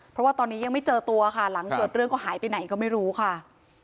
เพราะว่าตอนนี้ยังไม่เจอตัวค่ะหลังเกิดเรื่องก็หายไปไหนก็ไม่รู้ค่ะ